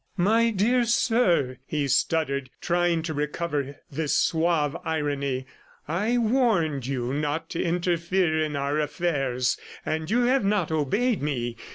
"My dear sir," he stuttered, trying to recover this suave irony, "I warned you not to interfere in our affairs and you have not obeyed me.